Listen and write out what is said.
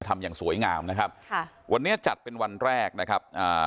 ทำอย่างสวยงามนะครับค่ะวันนี้จัดเป็นวันแรกนะครับอ่า